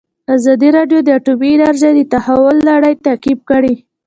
ازادي راډیو د اټومي انرژي د تحول لړۍ تعقیب کړې.